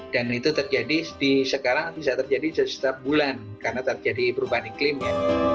dan itu terjadi di sekarang bisa terjadi setiap bulan karena terjadi perubahan iklimnya